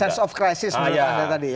sense of crisis menurut anda tadi ya